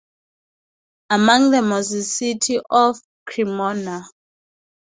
Among them was the city of Cremona.